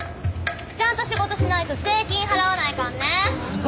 ちゃんと仕事しないと税金払わないかんね！